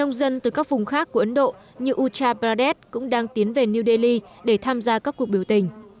nói chung nông dân từ các vùng khác của ấn độ như uttar pradesh cũng đang tiến về new delhi để tham gia các cuộc biểu tình